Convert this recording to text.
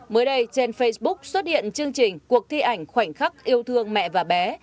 mới đây trên facebook xuất hiện chương trình cuộc thi ảnh khoảnh khắc yêu thương mẹ và bé